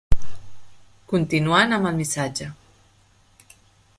Continuant amb el missatge.